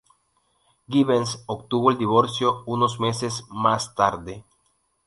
Givens obtuvo el divorcio unos meses más tarde.